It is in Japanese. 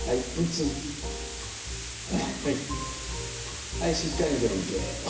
はいしっかり前傾。